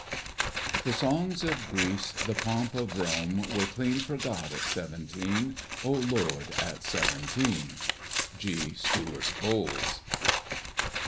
"The songs of Greece, the pomp of Rome, Were clean forgot at seventeen. Oh Lord! At seventeen!" —G. STEWART BOWLES.